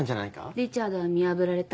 リチャードは見破られた。